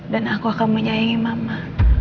dan aku akan menyayangi mama